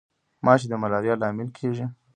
ماشي د ملاریا لامل کیږي